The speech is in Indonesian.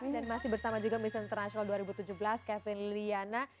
dan masih bersama juga miss international dua ribu tujuh belas kevin liliana